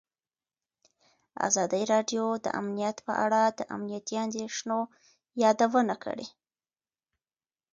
ازادي راډیو د امنیت په اړه د امنیتي اندېښنو یادونه کړې.